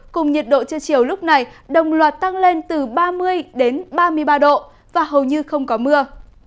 cùng nhiệt độ trưa chiều lúc này đồng loạt tăng lên từ ba mươi đến ba mươi ba độ và hầu như không có mưa